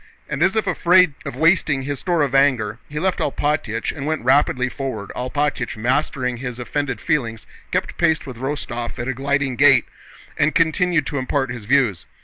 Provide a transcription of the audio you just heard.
And as if afraid of wasting his store of anger, he left Alpátych and went rapidly forward. Alpátych, mastering his offended feelings, kept pace with Rostóv at a gliding gait and continued to impart his views.